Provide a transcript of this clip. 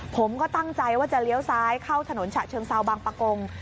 ผมก็ตั้งใจว่าจะเลี้ยวซ้ายเข้าถนนฉะเชิงเซาบางประกง